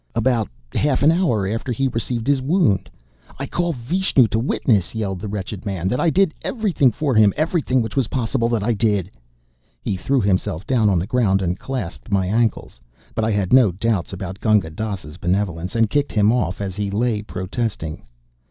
"About half an hour, after he received his wound. I call Vishnu to witness," yelled the wretched man, "that I did everything for him. Everything which was possible, that I did!" He threw himself down on the ground and clasped my ankles. But I had my doubts about Gunga Dass's benevolence, and kicked him off as he lay protesting.